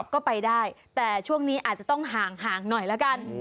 ก็ไปได้แต่ช่วงนี้อาจจะต้องห่างหน่อยละกัน